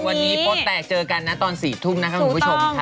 วันนี้โป๊แตกเจอกันนะตอน๔ทุ่มนะคะคุณผู้ชมค่ะ